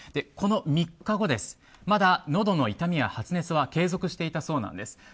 この３日後まだのどの痛みや発熱は継続していたそうなんです。